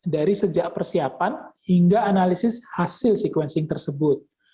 dari sejak persiapan hingga analisis hasil sequencing tersebut